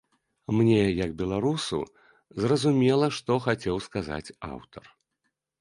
Мне, як беларусу, зразумела, што хацеў сказаць аўтар.